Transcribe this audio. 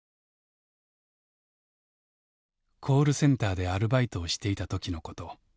コールセンターでアルバイトをしていた時のこと。